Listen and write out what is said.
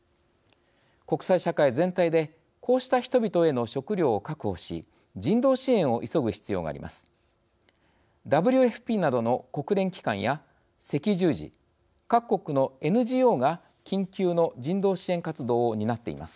国際社会全体でこうした人々への食料を確保し人道支援を急ぐ必要があります。